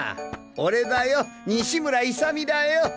俺だよ西村勇だよ！